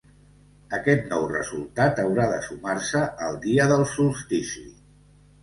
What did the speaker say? Aquest nou resultat haurà de sumar-se al dia del solstici.